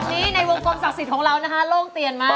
วันนี้ในวงกลมศักดิ์สิทธิ์ของเรานะคะโล่งเตียนมาก